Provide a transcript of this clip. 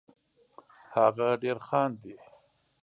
هغه ډېر خاندي